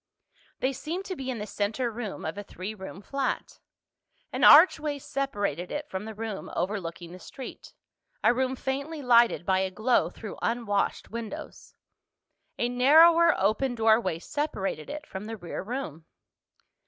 They seemed to be in the center room of a three room flat. An archway separated it from the room overlooking the street—a room faintly lighted by a glow through unwashed windows. A narrower open doorway separated it from the rear room.